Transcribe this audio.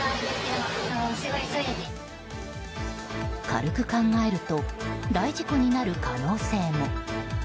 軽く考えると大事故になる可能性も。